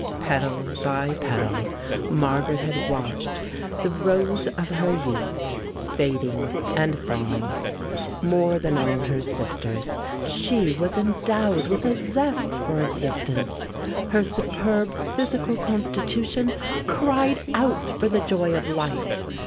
Petal by petal, Margaret had watched the rose of her youth fading and falling. More than all her sisters, she was endowed with a zest for existence. Her superb physical constitution cried out for the joy of life.